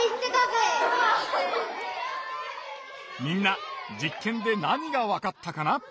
みんな実けんで何がわかったかな？